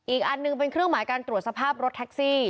อีกอันหนึ่งเป็นเครื่องหมายการตรวจสภาพรถแท็กซี่